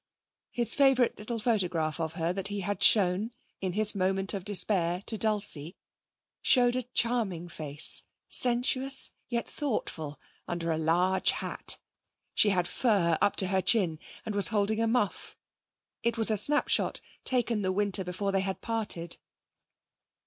His favourite little photograph of her that he had shown, in his moment of despair, to Dulcie, showed a charming face, sensuous yet thoughtful, under a large hat. She had fur up to her chin, and was holding a muff; it was a snapshot taken the winter before they had parted.